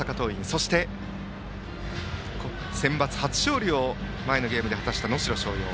そして、センバツ初勝利を前のゲームで果たした能代松陽。